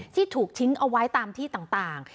ที่ถูกทิ้งเอาไว้ตามที่ต่าง